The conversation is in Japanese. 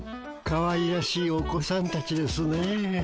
かわいらしいお子さんたちですね。